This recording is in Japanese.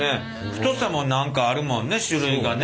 太さも何かあるもんね種類がね。